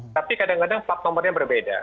tapi kadang kadang plat nomornya berbeda